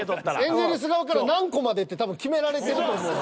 エンゼルス側から何個までって多分決められてると思うんで。